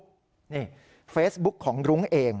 นี่เฟซบุ๊กของรุ้งเอง